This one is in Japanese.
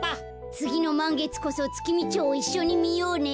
つぎのまんげつこそツキミチョウいっしょにみようね。